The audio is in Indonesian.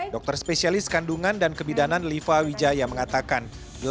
dokter spesialis kandungan dan kebidanan liva wijaya mengatakan